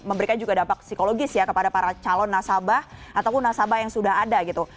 memberikan juga dampak psikologis ya kepada para calon nasabah ataupun nasabah yang sudah ada gitu